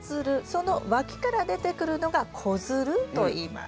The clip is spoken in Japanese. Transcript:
そのわきから出てくるのが子づるといいます。